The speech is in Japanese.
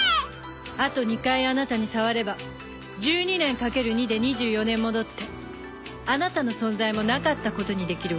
あと２回あなたに触れば１２年掛ける２で２４年戻ってあなたの存在もなかったことにできるわ。